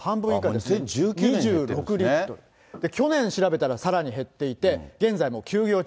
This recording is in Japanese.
去年調べたらさらに減っていて、現在、もう休業中。